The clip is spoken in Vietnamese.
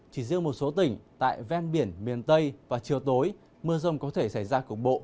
chỉ riêng một số tỉnh tại ven biển miền tây và chiều tối mưa rông có thể xảy ra cục bộ